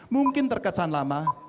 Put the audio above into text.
mungkin terkesan lama